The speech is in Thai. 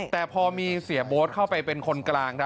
แต่พอมีเสียโบ๊ทเข้าไปเป็นคนกลาง